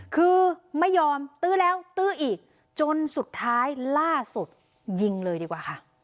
คือไม่ยอมตื้อแล้วตื้ออีกจนสุดท้ายล่าสุดยิงเลยดีกว่าค่ะ